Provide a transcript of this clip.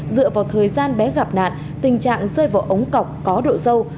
dựa vào thời gian bé gặp nạn tình trạng rơi vào ống cọc có độ dâu